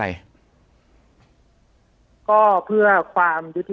ปากกับภาคภูมิ